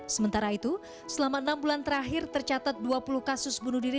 sementara itu selama enam bulan terakhir tercatat dua puluh kasus bunuh diri